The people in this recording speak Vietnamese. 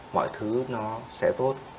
mọi thứ nó sẽ tốt